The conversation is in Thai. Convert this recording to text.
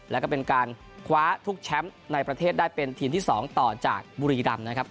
แล้วก็เป็นการคว้าทุกแชมป์ในประเทศได้เป็นทีมที่๒ต่อจากบุรีรำนะครับ